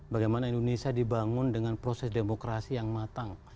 bagaimana indonesia dibangun dengan proses demokrasi yang matang